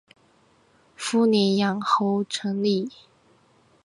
父宁阳侯陈懋。